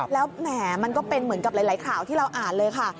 แล้วแหมมันก็เป็นเหมือนกับหลายข่าวที่เราอ่านเลยค่ะ